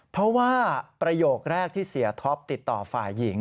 เพราะว่าประโยคแรกที่เสียท็อปติดต่อฝ่ายหญิง